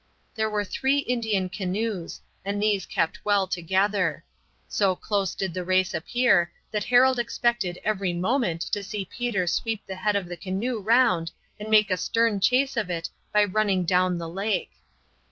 There were three Indian canoes, and these kept well together. So close did the race appear that Harold expected every moment to see Peter sweep the head of the canoe round and make a stern chase of it by running down the lake.